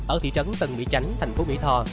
ở thị trấn tân mỹ chánh thành phố mỹ tho